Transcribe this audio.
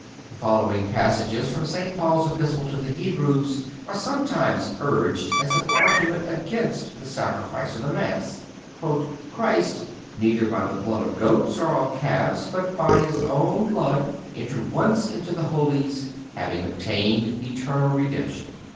The following passages from St. Paul's Epistle to the Hebrews are sometimes urged as an argument against the sacrifice of the Mass: "Christ, ... neither by the blood of goats, or of calves, but by His own blood, entered once into the Holies, having obtained eternal redemption."